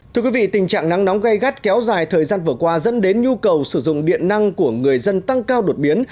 thưa quý vị tình trạng nắng nóng gây gắt kéo dài thời gian vừa qua dẫn đến nhu cầu sử dụng điện năng của người dân tăng cao đột biến